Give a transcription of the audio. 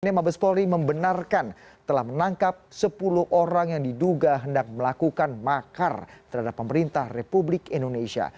mabes polri membenarkan telah menangkap sepuluh orang yang diduga hendak melakukan makar terhadap pemerintah republik indonesia